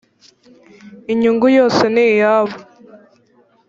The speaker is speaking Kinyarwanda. inyungu yose niyabo.